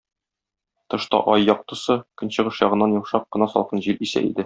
Тышта ай яктысы, көнчыгыш ягыннан йомшак кына салкын җил исә иде.